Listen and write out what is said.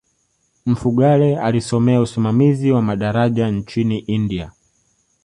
mfugale alisomea usimamizi wa madaraja nchini india